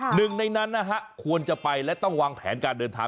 หนึ่งในนั้นนะฮะควรจะไปและต้องวางแผนการเดินทาง